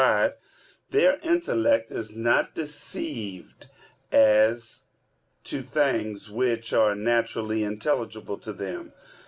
5), their intellect is not deceived as to things which are naturally intelligible to them.